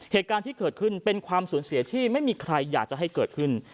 เหตุการณ์ที่เกิดขึ้นเป็นความสูญเสียที่ไม่มีใครอยากจะให้เกิดขึ้น